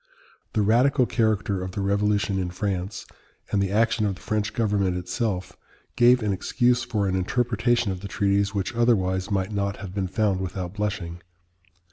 The radical character of the Revolution in France, and the action of the French government itself, gave an excuse for an interpretation of the treaties which otherwise might not have been found without blushing.